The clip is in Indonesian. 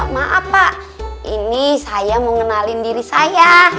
maaf pak ini saya mau ngenalin diri saya